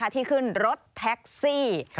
ที่ขึ้นรถแท็กซี่